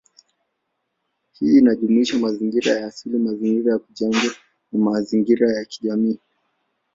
Hii inajumuisha mazingira ya asili, mazingira ya kujengwa, na mazingira ya kijamii.